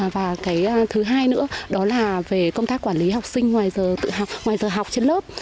và thứ hai nữa đó là về công tác quản lý học sinh ngoài giờ học trên lớp